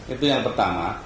itu yang pertama